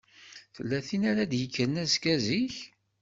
Tella tin ara d-yekkren azekka zik?